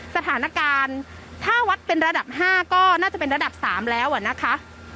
สถานการณ์ถ้าวัดเป็นระดับ๕ก็น่าจะเป็นระดับ๓แล้วนะคะ